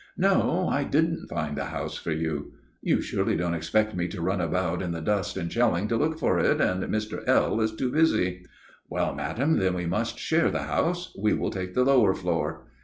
"No, I didn't find a house for you." "You surely don't expect me to run about in the dust and shelling to look for it, and Mr. L. is too busy." "Well, madam, then we must share the house. We will take the lower floor."